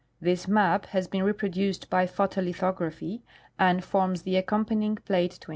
(This map has been reproduced by photolithography and forms the accom panying plate 21.)